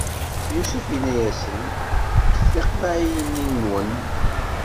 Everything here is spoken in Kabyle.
Yusef inna-yasen: Fket tiqeḍɛiyinnwen!